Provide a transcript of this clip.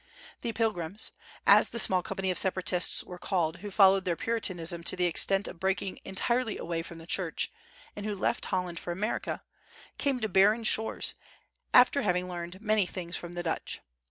The Pilgrims as the small company of Separatists were called who followed their Puritanism to the extent of breaking entirely away from the Church, and who left Holland for America came to barren shores, after having learned many things from the Dutch.